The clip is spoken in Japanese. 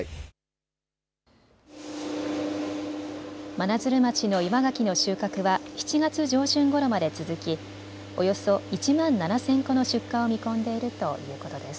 真鶴町の岩ガキの収穫は７月上旬ごろまで続きおよそ１万７０００個の出荷を見込んでいるということです。